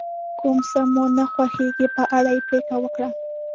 کوم څه مو نه خوښیږي په اړه یې پرېکړه وکړه.